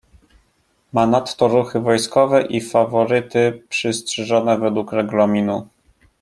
"Ma nadto ruchy wojskowe i faworyty przystrzyżone według regulaminu."